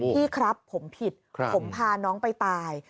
พี่ครับผมผิดผมพาน้องไปตาย